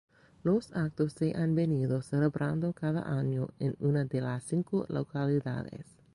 Los actos se han venido celebrando cada año en una de las cinco localidades.